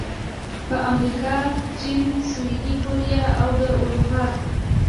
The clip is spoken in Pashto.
په امریکا، چین، سویلي کوریا او د اروپا